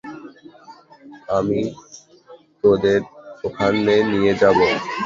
আমি তোদের ওখানে নিয়ে যাবো।